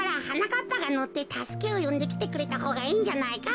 かっぱがのってたすけをよんできてくれたほうがいいんじゃないか？